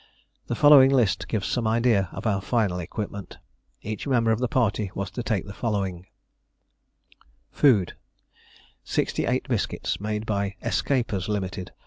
The following list gives some idea of our final equipment. Each member of the party was to take the following: Food Sixty eight biscuits, made by "Escapers Ltd.